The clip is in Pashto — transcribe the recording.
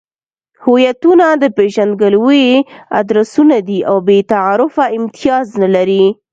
هویتونه د پېژندګلوۍ ادرسونه دي او بې تعارفه امتیاز نلري.